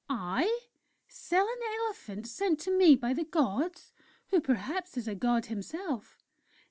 "'I? Sell an elephant sent to me by the Gods ... who perhaps is a God himself?...